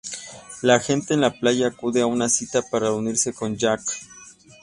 La gente en la playa acude a una cita para reunirse con Jack.